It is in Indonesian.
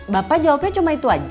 bapak jawabnya cuma itu aja